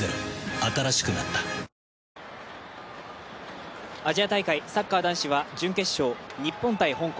新しくなったアジア大会サッカー男子は準決勝、日本×香港。